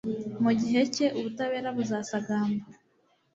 mu gihe cye, ubutabera buzasagamba